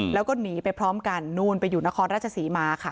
แล้วก็หนีไปพร้อมกันนู่นไปอยู่นครราชศรีมาค่ะ